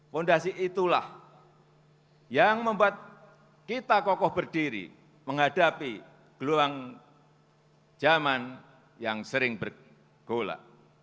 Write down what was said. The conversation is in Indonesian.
fondasi itulah yang membuat kita kokoh berdiri menghadapi gelombang zaman yang sering bergolak